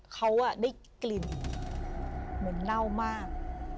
เขาได้กลิ่นเหม็นเน่ามาก